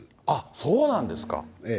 そうなんですか。